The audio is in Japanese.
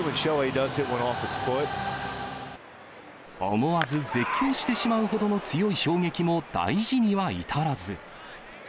思わず絶叫してしまうほどの強い衝撃も大事には至らず。